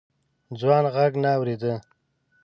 ځوان غږ نه اورېده.